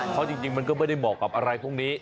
เพราะจริงมันก็ไม่ได้เหมาะกับอะไรพวกนี้